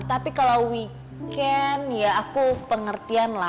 tapi kalau weekend ya aku pengertian lah